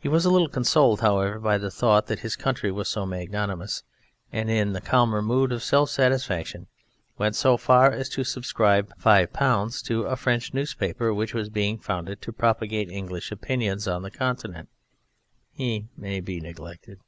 He was a little consoled, however, by the thought that his country was so magnanimous, and in the calmer mood of self satisfaction went so far as to subscribe £5 to a French newspaper which was being founded to propagate English opinions on the Continent. He may be neglected.